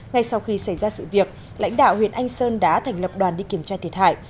ngay sau khi xảy ra sự việc lãnh đạo huyện anh sơn đã thành lập đoàn đi kiểm tra thiệt hại